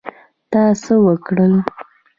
تا څه وکړل؟